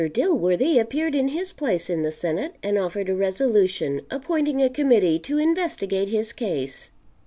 Dilworthy appeared in his place in the Senate and offered a resolution appointing a committee to investigate his case.